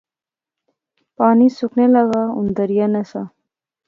پانی سکنے لاغا، ہن دریا نہسا